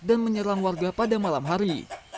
dan menyerang warga pada malam hari